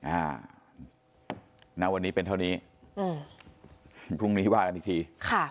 อ่าณวันนี้เป็นเท่านี้อืมพรุ่งนี้ว่ากันอีกทีค่ะ